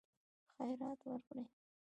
خیرات ورکړي.